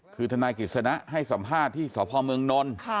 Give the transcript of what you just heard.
คือทนายกฤษณะให้สัมภาษณ์ที่สพมนนค่ะ